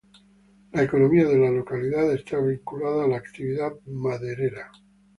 La economía de la localidad está vinculada a la actividad maderera.